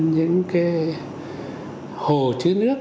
những cái hồ chứa nước